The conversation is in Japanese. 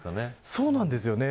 そうなんですよね。